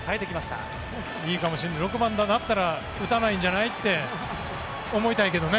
６番になったら打たないんじゃない？って思いたいけどね。